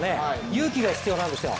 勇気が必要なんですよ。